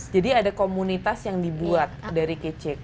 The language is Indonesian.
jadi ada komunitas yang dibuat dari kicix